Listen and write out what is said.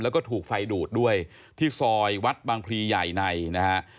แล้วก็ถูกไฟดูดด้วยที่ซอยวัดบางพลีใหญ่ในนะฮะ